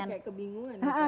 jadi dia kayak kebingungan